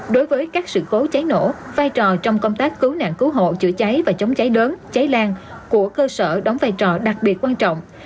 đối với các sự cố cháy nổ vai trò trong công tác cứu nạn cứu hộ chữa cháy và chống cháy đớn cháy lan của cơ sở đóng vai trò đặc biệt quan trọng